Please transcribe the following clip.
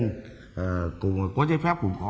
có giấy phép cũng có mà có loại không có giấy phép cũng có